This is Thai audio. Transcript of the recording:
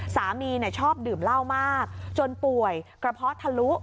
สามีชอบดื่มเหล้ามากจนป่วยกระเพาะทะลุ